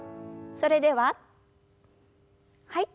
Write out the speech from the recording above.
それでははい。